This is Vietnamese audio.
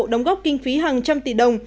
đóng góp kinh phí hàng trăm tỷ đồng